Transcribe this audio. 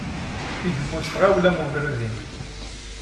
Igemmu s tɣawla ugerrud-im.